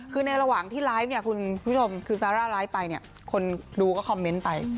คือในระหว่างที่ไลฟ์เนี่ยคุณผู้ชมคือซาร่าไลฟ์ไปเนี่ยคนดูก็คอมเมนต์ไป